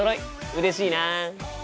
うれしいな。